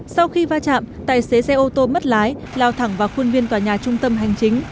sau khi va chạm tài xế xe ô tô mất lái lao thẳng vào khuôn viên tòa nhà trung tâm hành chính